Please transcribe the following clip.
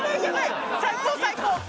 最高最高。